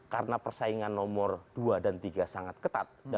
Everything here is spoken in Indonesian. karena persaingan nomor dua dan tiga sangat ketat